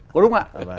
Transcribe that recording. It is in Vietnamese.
có đúng không ạ